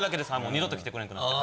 二度と来てくれんくなって。